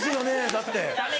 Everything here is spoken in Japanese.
だって。